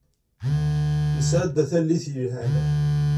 Nesεedda tallit yelhan.